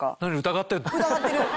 疑ってる。